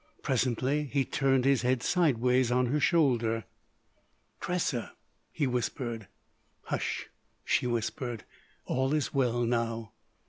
Presently he turned his head sideways on her shoulder. "Tressa," he whispered. "Hush," she whispered, "all is well now."